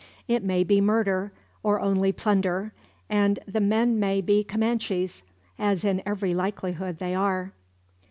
It may be murder, or only plunder; and the men may be Comanches as in every likelihood they are.